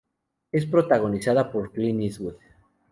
Es protagonizada por Clint Eastwood.